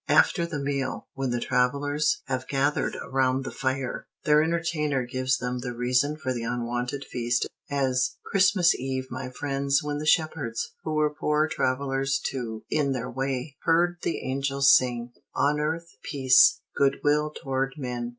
After the meal, when the travelers have gathered around the fire, their entertainer gives them the reason for the unwonted feast as "Christmas Eve, my friends, when the Shepherds, who were poor travelers, too, in their way, heard the Angels sing, 'On earth, peace: Good will toward men.'"